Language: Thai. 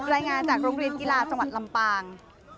รายงานจากโรงเรียนกีฬาจังหวัดลำปาง